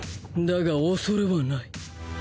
だが恐れはない。